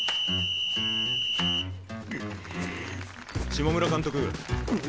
下村監督。